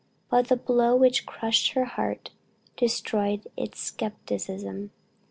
But the blow which crushed her heart, destroyed its skepticism.